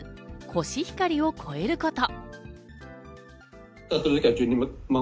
コシヒカリを超えること。